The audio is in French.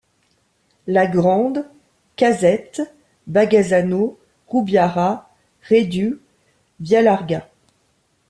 La Grande, Casette, Bagazzano, Rubbiara, Redù, Via Larga.